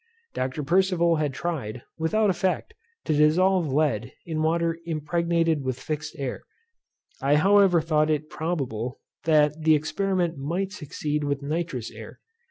Dr. Percival had tried, without effect, to dissolve lead in water impregnated with fixed air. I however thought it probable, that the experiment might succeed with nitrous air.